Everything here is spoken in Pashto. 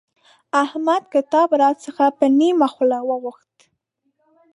احمد کتاب راڅخه په نيمه خوله وغوښت.